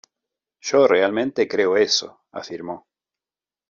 Yo realmente creo eso", afirmó.